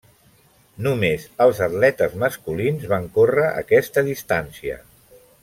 Només els atletes masculins van córrer aquesta distància.